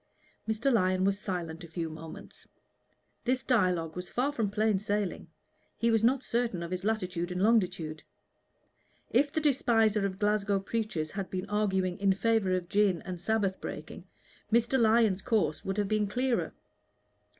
Mr. Lyon was silent a few moments. This dialogue was far from plain sailing; he was not certain of his latitude and longitude. If the despiser of Glasgow preachers had been arguing in favor of gin and Sabbath breaking, Mr. Lyon's course would have been clearer.